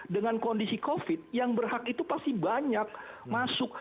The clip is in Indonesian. dengan kondisi covid yang berhak itu pasti banyak masuk